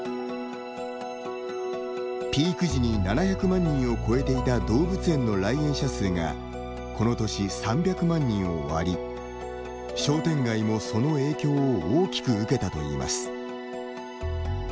ピーク時に７００万人を超えていた動物園の来園者数がこの年３００万人を割り商店街もその影響を大きく受けたといいます。